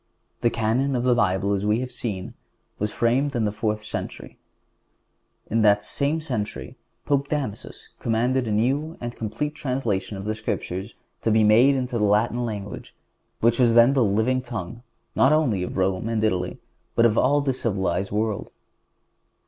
The Canon of the Bible, as we have seen, was framed in the fourth century. In that same century Pope Damasus commanded a new and complete translation of the Scriptures to be made into the Latin language, which was then the living tongue not only of Rome and Italy, but of the civilized world.